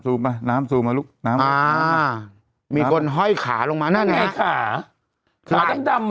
มาน้ำซูมมาลูกน้ำอ่ามีคนห้อยขาลงมานั่นไงขาขาดำดำอ่ะ